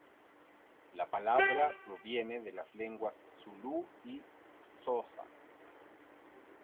La palabra proviene de las lenguas zulú y xhosa.